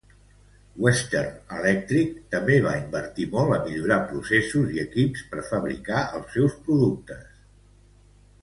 Western Electric també va invertir molt a millorar processos i equips per fabricar els seus productes.